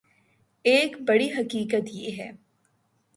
ایک بڑی حقیقت یہ ہے